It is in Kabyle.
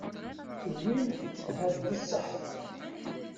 Tenwim ahat d sseḥ.